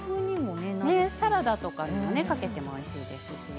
サラダとかにもかけていいですよ。